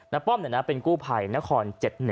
ป้อมเป็นกู้ภัยนคร๗๑